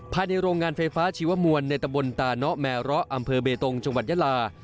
ภายในโรงงานไฟฟ้าชีวมวลในตะบนตาเนาะแมร้ออำเภอเบตงจังหวัดยาลา